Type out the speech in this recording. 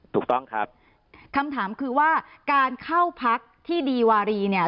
ถูกต้องครับคำถามคือว่าการเข้าพักที่ดีวารีเนี่ย